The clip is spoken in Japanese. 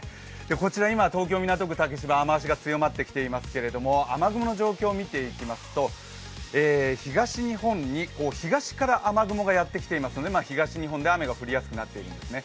こちら今、東京・港区竹芝、雨足が強まってきていますけれども、雨雲の状況を見てきますと東日本に東から雨雲がやってきていますので東日本で雨が降りやすくなっているんですね。